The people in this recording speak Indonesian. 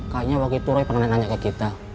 kayaknya waktu itu roy pernah nanya ke kita